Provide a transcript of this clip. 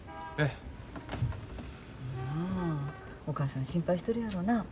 お母さん心配しとるやろな。